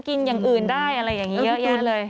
กินอย่างอื่นได้อะไรอย่างเยอะเลยพี่ตูน